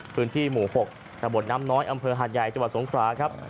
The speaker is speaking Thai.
พื้นที่หมู่๖ตะบดน้ำน้อยอำเภอหาดใหญ่จังหวัดสงคราครับ